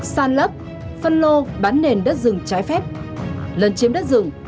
san lấp phân lô bán nền đất rừng trái phép lấn chiếm đất rừng